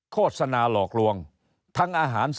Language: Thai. โฆษณาหลอกลวง